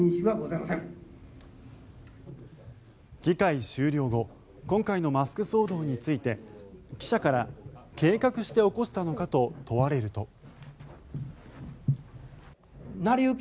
議会終了後今回のマスク騒動について記者から計画して起こしたのかと問われると。